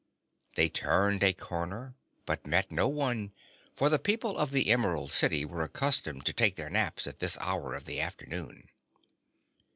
They turned a corner, but met no one, for the people of the Emerald City were accustomed to take their naps at this hour of the afternoon.